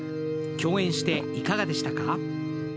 共演していかがでしたか。